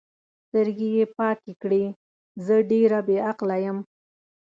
سترګې یې پاکې کړې: زه ډېره بې عقله یم.